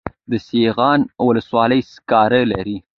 د سیغان ولسوالۍ سکاره لري